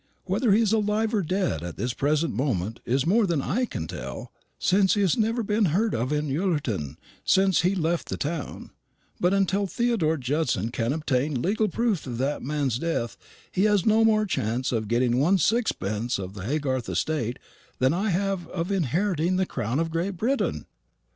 Whether he is alive or dead at this present moment is more than I can tell, since he has never been heard of in Ullerton since he left the town; but until Theodore Judson can obtain legal proof of that man's death he has no more chance of getting one sixpence of the Haygarth estate than I have of inheriting the crown of Great Britain."